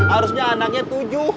harusnya anaknya tujuh